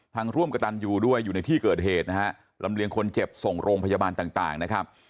ร่วมกระตันยูด้วยอยู่ในที่เกิดเหตุนะฮะลำเลียงคนเจ็บส่งโรงพยาบาลต่างนะครับ